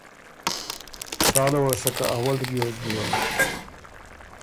څاله وه سکه اول ریوز بیوک۔